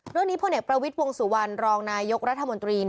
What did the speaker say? เรื่องนี้พ่อเนกประวิทย์วงสุวรรณรองนายกรัฐมนตรี